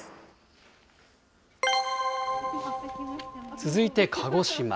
続いて鹿児島。